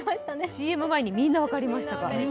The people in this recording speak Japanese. ＣＭ前にみんな分かりました。